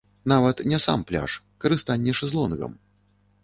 Нават не сам пляж, карыстанне шэзлонгам.